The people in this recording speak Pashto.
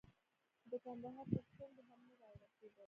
خو د کندهار تر څنډو هم نه را ورسېدل.